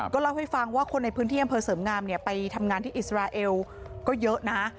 เล่าให้ฟังว่าคนในพื้นที่อำเภอเสริมงามไปทำงานที่อิสราเอลก็เยอะนะ